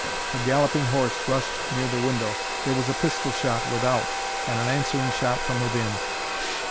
A galloping horse rushed near the window, there was a pistol shot without, and an answering shot from within.